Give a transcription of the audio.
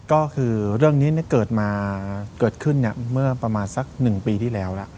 ก็คือเรื่องนี้เกิดมาเกิดขึ้นเมื่อประมาณสัก๑ปีที่แล้วล่ะ